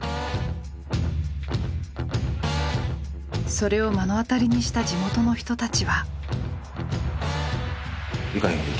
それを目の当たりにした地元の人たちは。